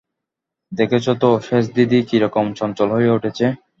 দেখছ তো সেজদিদি কিরকম চঞ্চল হয়ে উঠেছে।